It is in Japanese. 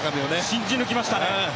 信じ抜きましたね。